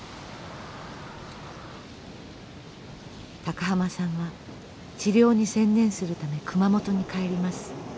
高浜さんは治療に専念するため熊本に帰ります。